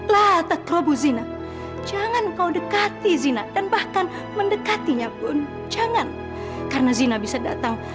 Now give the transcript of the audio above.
lata krobuzina jangan kau dekati zina dan bahkan mendekatinya pun jangan karena zina bisa datang